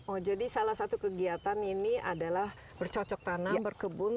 oh jadi salah satu kegiatan ini adalah bercocok tanam berkebun